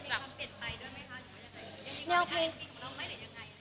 อย่างที่คุณก็ไม่เหลือยังไง